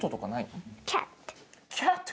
キャット。